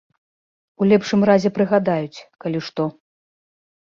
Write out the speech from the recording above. У лепшым разе прыгадаюць, калі што.